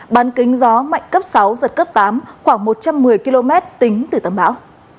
bán kính gió mạnh cấp sáu giật cấp tám khoảng một trăm một mươi km tính từ tâm bão